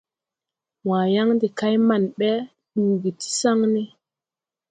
Wããyaŋ de kay man ɓɛ ɗugi ti saŋne.